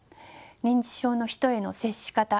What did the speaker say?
認知症の人への接し方